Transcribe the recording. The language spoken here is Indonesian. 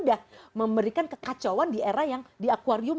pasti tidak semoga semoga itu gak sakit